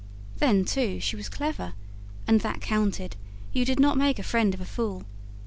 Then, too, she was clever, and that counted; you did not make a friend of a fool.